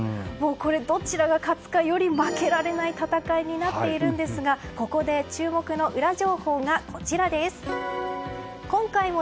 これ、どちらが勝つかより負けられない戦いになっているんですがここで注目のウラ情報がこちらです。